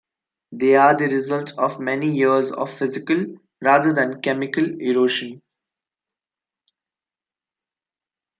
They are the result of many years of physical, rather than chemical, erosion.